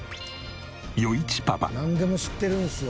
なんでも知ってるんですよ。